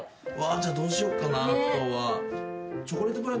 じゃあどうしようかなあとは。